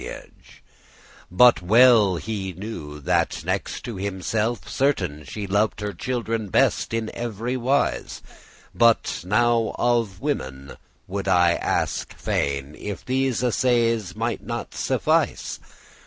*steadfast, unmoved But well he knew, that, next himself, certain She lov'd her children best in every wise. But now of women would I aske fain, If these assayes mighte not suffice?